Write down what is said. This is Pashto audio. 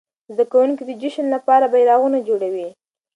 زده کوونکي د جشن لپاره بيرغونه جوړوي.